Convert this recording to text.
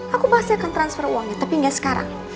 aku pasti akan transfer uangnya tapi nggak sekarang